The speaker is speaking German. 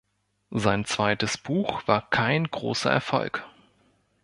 Sein zweites Buch war kein großer Erfolg.